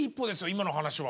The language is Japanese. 今の話は。